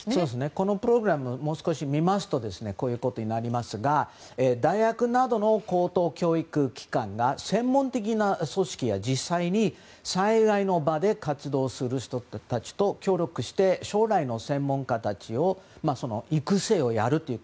このプログラムをもう少し見ますと大学などの高等教育機関が専門的な組織や実際に災害の場で活動する人たちと協力して、将来の専門家たちの育成をやると。